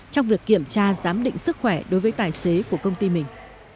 trong việc kiểm tra giám định sức khỏe đối với tài xế của công ty mình